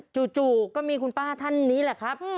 จู่ก็มีคุณป้าท่านนี้แหละครับ